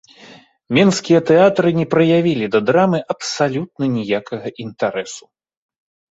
Менскія тэатры не праявілі да драмы абсалютна ніякага інтарэсу.